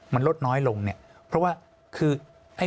มันลดน้อยลงเนี่ยเพราะว่าคือ